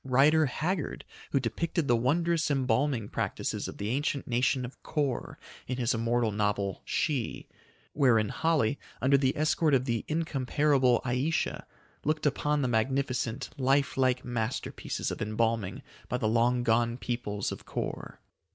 Rider Haggard, who depicted the wondrous, embalming practices of the ancient nation of Kor in his immortal novel, "She," wherein Holly, under the escort of the incomparable Ayesha, looked upon the magnificent, lifelike masterpieces of embalming by the long gone peoples of Kor.